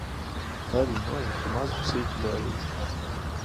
Lai viņa noiet pa mazu, sīku dēlīti!